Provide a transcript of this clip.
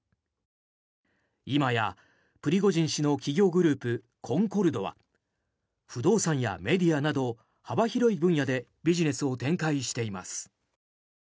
今やプリゴジン氏の企業グループコンコルドは不動産やメディアなど幅広い分野でビジネスを展開しています。